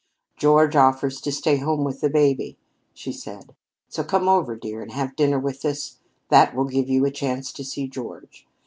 "George offers to stay home with the baby," she said. "So come over, dear, and have dinner with us; that will give you a chance to see George.